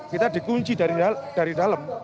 kita dikunci dari dalam